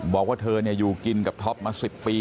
บอกว่าเธออยู่กินกับท็อปมา๑๐ปี